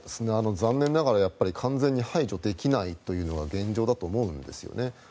残念ながら完全に排除できないというのが現状だと思うんですよね。